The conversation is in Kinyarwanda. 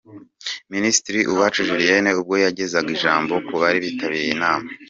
Minisitiri Uwacu Julienne ubwo yagezaga ijambo ku bari bitabiriye inama.